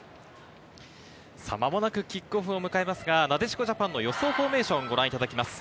間もなくキックオフをむかえますが、なでしこジャパンの予想フォーメーションです。